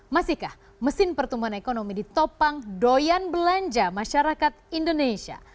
masihkah mesin pertumbuhan ekonomi ditopang doyan belanja masyarakat indonesia